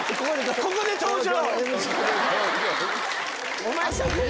ここで登場！